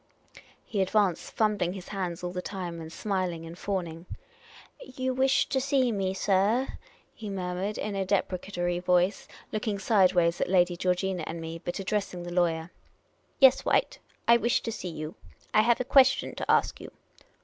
He advanced, fumbling his hands all the time, and smiling and fawning. " You wished to see me, sir ?" he murmured, in a deprecatory voice, looking sideways at Lady Georgina and me, but addressing the lawyer, *' Yes, White, I wished to see you. I have a question to ask you.